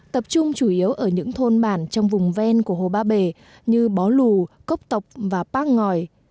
tập trung chủ yếu ở những thôn bản trong vùng ven của hồ ba bể như bó lù cốc tộc và bác ngòi